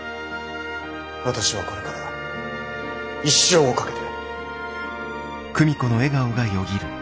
私はこれから一生をかけて。